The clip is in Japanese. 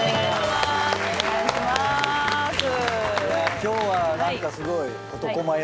今日は何かすごい。